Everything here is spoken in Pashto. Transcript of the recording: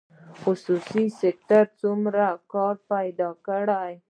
خصوصي سکتور څومره کار پیدا کړی؟